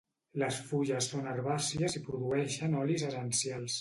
Les fulles són herbàcies i produeixen olis essencials.